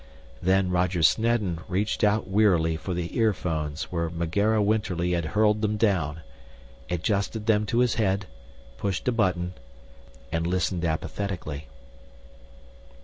Then Roger Snedden reached out wearily for the earphones where Megera Winterly had hurled them down, adjusted them to his head, pushed a button and listened apathetically.